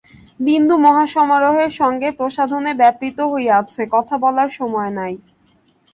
বিন্দু মহাসমারোহের সঙ্গে প্রসাধনে ব্যাপৃত হইয়া আছে, কথা বলার সময় নাই!